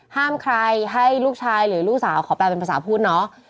ห้ามใครให้ลูกชายหรือลูกสาวขอแปลเป็นภาษาพูดเนาะ